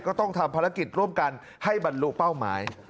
ก็ต้องทำภารกิจร่วมกันให้บรรลุเป้าหมาย